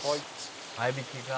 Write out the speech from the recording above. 「合いびきか」